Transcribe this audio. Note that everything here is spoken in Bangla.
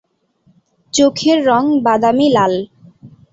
চোখের রঙ বাদামি লাল।